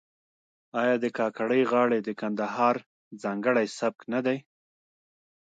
آیا د کاکړۍ غاړې د کندهار ځانګړی سبک نه دی؟